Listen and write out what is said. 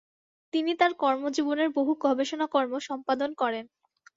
তিনি তাঁর কর্মজীবনের বহু গবেষণাকর্ম সম্পাদন করেন।